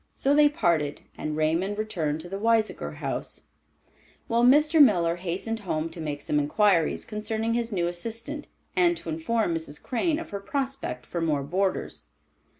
So they parted, and Raymond returned to the Weisiger House, while Mr. Miller hastened home to make some inquiries concerning his new assistant, and to inform Mrs. Crane of her prospect for more boarders.